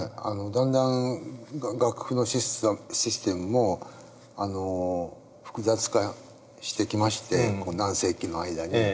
だんだん楽譜のシステムも複雑化してきまして何世紀の間に。